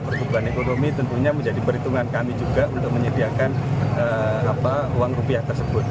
pertumbuhan ekonomi tentunya menjadi perhitungan kami juga untuk menyediakan uang rupiah tersebut